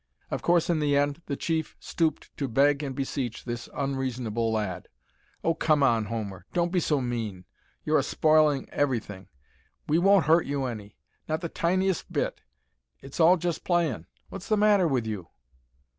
Of course in the end the chief stooped to beg and beseech this unreasonable lad. "Oh, come on, Homer! Don't be so mean. You're a spoilin' everything. We won't hurt you any. Not the tintiest bit. It's all just playin'. What's the matter with you?"